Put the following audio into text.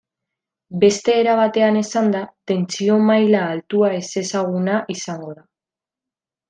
Beste era batean esanda, tentsio-maila altua ezezaguna izango da.